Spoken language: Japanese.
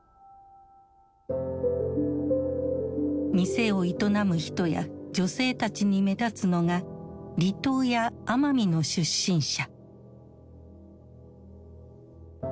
店を営む人や女性たちに目立つのが離島や奄美の出身者。